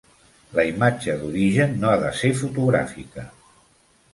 La imatge d'origen no ha de ser fotogràfica.